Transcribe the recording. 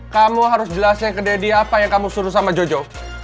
kamu harus jelasin ke deddy apa yang kamu suruh sama jojo